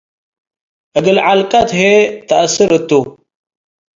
እግለ ዐልቀት ህዬ ትአስር እቱ ።